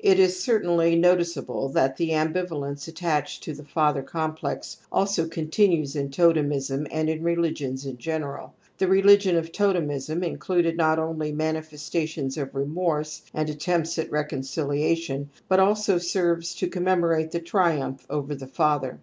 It is certainly noticeable that the smJlS^^nce ::^ a ttached t o the father complex also continues in totemism and in religions in general. The religion of totemism included not onlv mani f estations of remorse and attempts at recon cijia tionp but a lg o serves t o commemorate the tr iimiph over th^ fsifher.